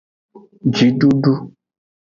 Jidudu.